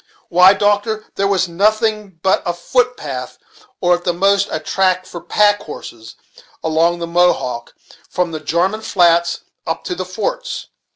Why, doctor, there was nothing but a foot path, or at the most a track for pack horses, along the Mohawk, from the Jarman Flats up to the forts.